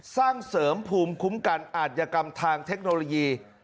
สร้างเสริมภูมิคุ้มกันอาจยกรรมทางเทคโนโลยี